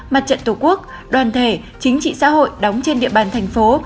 mặt trận tổ quốc đoàn thể chính trị xã hội đóng trên địa bàn thành phố